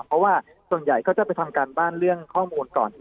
เพราะว่าส่วนใหญ่ก็จะไปทำการบ้านเรื่องข้อมูลก่อน